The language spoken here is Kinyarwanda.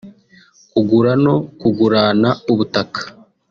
kugura no kugurana ubutaka